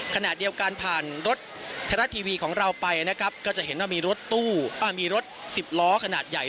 ขณะเดียวกันผ่านรถไทยรัฐทีวีของเราไปนะครับก็จะเห็นว่ามีรถตู้มีรถสิบล้อขนาดใหญ่